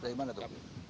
dari mana tuh